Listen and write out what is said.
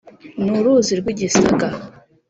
ni uruzi rw’igisaga